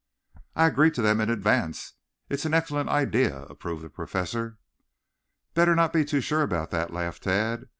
"I agree to them in advance. It is an excellent idea," approved the Professor. "Better not be too sure about that," laughed Tad.